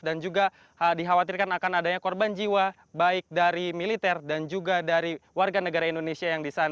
dan juga dikhawatirkan akan adanya korban jiwa baik dari militer dan juga dari warga negara indonesia